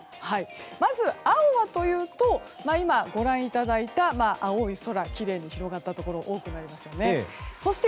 まず青はというと今、ご覧いただいた青い空、きれいに広がったところ多くなりました。